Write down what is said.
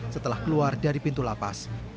setelah keluar dari pintu lapas